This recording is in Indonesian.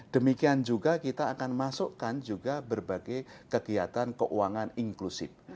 demikian juga kita akan masukkan juga berbagai kegiatan keuangan inklusif